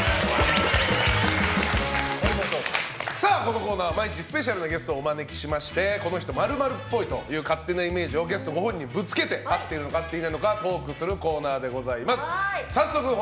このコーナーは毎日スペシャルなゲストをお招きしてこの人○○っぽいという勝手なイメージをゲストご本人にぶつけて合っているのか合っていないのかを教えてもらいつつトークをしていくコーナーです。